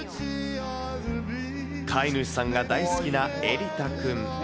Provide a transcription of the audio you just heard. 飼い主さんが大好きな、えり太くん。